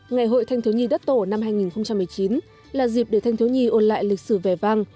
ngày hội thanh thiếu nhi đất tổ năm hai nghìn một mươi chín là dịp để thanh thiếu nhi ôn lại lịch sử vẻ vang